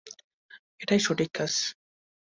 এটাই সঠিক কাজ।